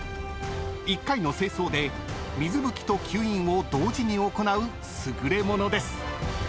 ［１回の清掃で水拭きと吸引を同時に行う優れものです］